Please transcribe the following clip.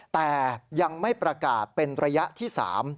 แต่ยังไม่ประกาศเป็นระยะที่๓